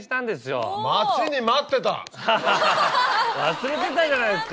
忘れてたじゃないですか。